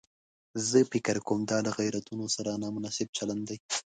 زه فکر کوم دا له غیرتونو سره نامناسب چلن دی.